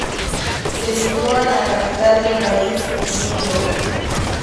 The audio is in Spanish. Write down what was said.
Se sitúa en la capital del país, Windhoek.